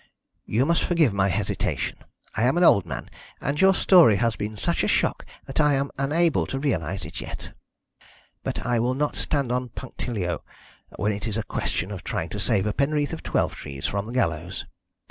You must forgive my hesitation. I am an old man, and your story has been such a shock that I am unable to realise it yet. But I will not stand on punctilio when it is a question of trying to save a Penreath of Twelvetrees from the gallows.